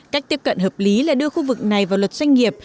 cách tiếp cận hợp lý là đưa khu vực này vào luật doanh nghiệp